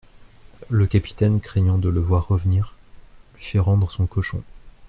Le capitaine, craignant de le voir revenir, lui fait rendre son cochon.